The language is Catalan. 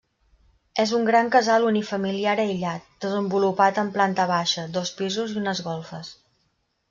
És un gran casal unifamiliar aïllat, desenvolupat en planta baixa, dos pisos i unes golfes.